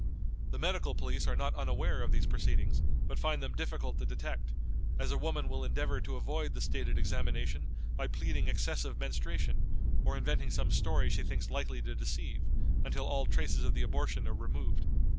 The medical police are not unaware of these proceedings, but find them difficult to detect, as a woman will endeavor to avoid the stated examination by pleading excessive menstruation, or inventing some story she thinks likely to deceive, until all traces of the abortion are removed.